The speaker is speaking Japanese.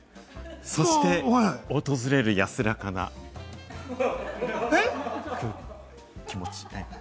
そして訪れる安らかな気持ち。